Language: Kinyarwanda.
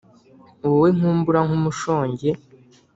wowe nkumbura nk' umushongi